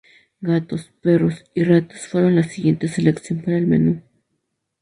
Gatos, perros y ratas fueron la siguiente selección para el menú.